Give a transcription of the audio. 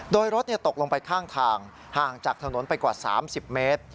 โดยรถตกลงไปข้างทางห่างจากถนนไปกว่า๓๐เมตร